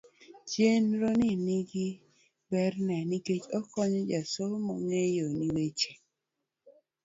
chenro ni ni gi ber ne nikech okonyo jasomo ng'eyo ni weche